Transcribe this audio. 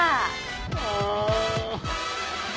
ああ。